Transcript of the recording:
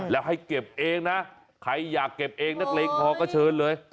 แล้วให้เก็บเองนะใครอยากเก็บเองนักเลงพอก็เชิญเลย